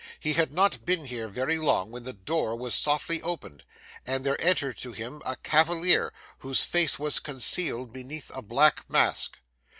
He had not been here very long, when the door was softly opened, and there entered to him a cavalier whose face was concealed beneath a black mask.